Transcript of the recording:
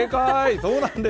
そうなんです。